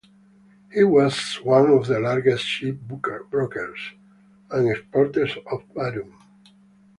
He was one of the largest ship-brokers and exporters of Batum.